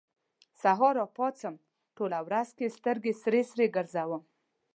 سهار راپاڅم، ټوله ورځ کې سترګې سرې ګرځوم